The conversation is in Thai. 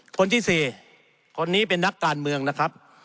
คนที่๔คนนี้เป็นนักการเมืองนะครับ